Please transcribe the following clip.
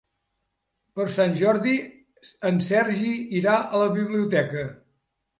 Per Sant Jordi en Sergi irà a la biblioteca.